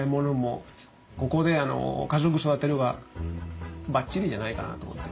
ここで家族育てるがバッチリじゃないかなと思って。